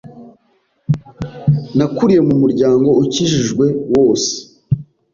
Nakuriye mu muryango ukijijwe, wose